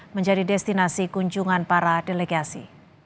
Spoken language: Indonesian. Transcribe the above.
menjadi destinasi kunjungan para delegasi